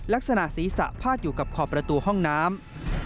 ลักษณะศีรษะพาดอยู่กับขอบประตูห้องน้ำ